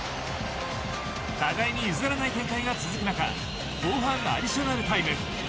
互いに譲らない展開が続く中後半アディショナルタイム。